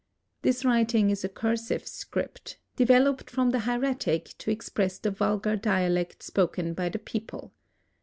This writing is a cursive script, developed from the hieratic to express the vulgar dialect spoken by the people.